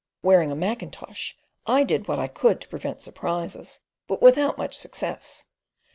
Wearing a mackintosh, I did what I could to prevent surprises, but without much success.